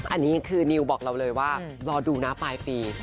อันนี้คือนิวบอกเราเลยว่ารอดูนะปลายปี